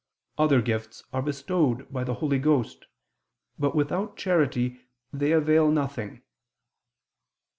Other gifts are bestowed by the Holy Ghost, but, without charity, they avail nothing."